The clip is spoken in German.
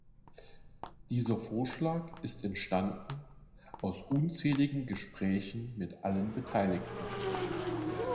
Dieser Vorschlag ist entstanden aus unzähligen Gesprächen mit allen Beteiligten.